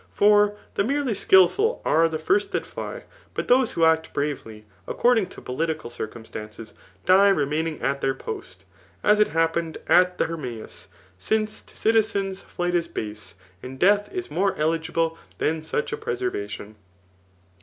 For [the merely skilful are3 the first tl»t fly J but those who act bravely, accor<Ung to political circumstances, die remaining at their post, as it happraed at the Hennaeus; since to citizens flight is base, and death is more eEgible than such a preservation.